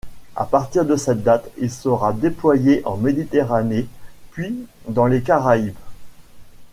À partir de cette date, il sera déployé en Méditerranée puis dans les Caraïbes.